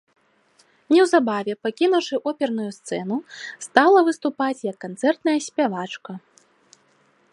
Неўзабаве, пакінуўшы оперную сцэну, стала выступаць як канцэртная спявачка.